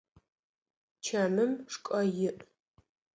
Чэмым шкӏэ иӏ.